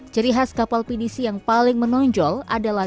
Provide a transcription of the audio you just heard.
cerih khas kapal penisi yang paling menonjol adalah